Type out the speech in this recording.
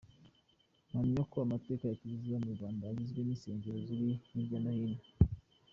Mpamya ko amateka ya Kiliziya mu Rwanda agizwe n’insengero ziri hirya no hino.